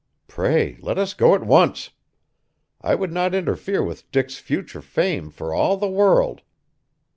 Pray let us go at once. I would not interfere with Dick's future fame for all the world!